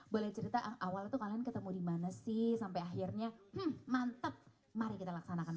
boleh cerita awal itu kalian ketemu dimana sih sampai akhirnya